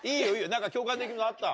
何か共感できるのあった？